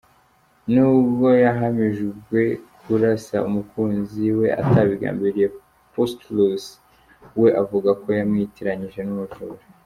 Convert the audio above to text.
Nubwo yahamijwe kurasa umukunzi we atabigambiriye, Pistorius we avuga ko yamwitiranyije n’umujura.